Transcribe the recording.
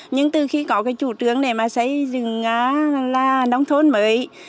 nhưng từ khi có chủ trướng để xây dựng nông thôn mới